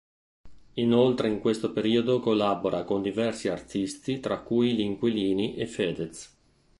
Inoltre in questo periodo collabora con diversi artisti tra cui Gli Inquilini e Fedez.